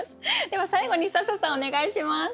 では最後に笹さんお願いします。